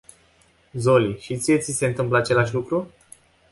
Zoli, și ție ți se întâmplă același lucru?